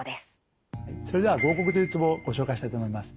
それでは合谷というツボをご紹介したいと思います。